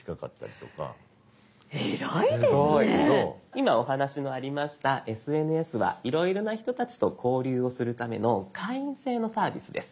今お話のありました「ＳＮＳ」はいろいろな人たちと交流をするための会員制のサービスです。